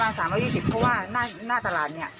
ประมาณ๓๒๐เพราะว่าหน้าตลาดนี่